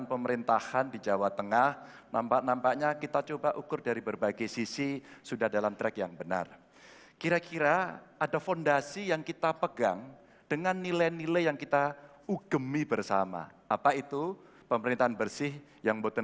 kami mohon sedian anda semua untuk berdiri menyanyikan lagu kebangsaan indonesia raya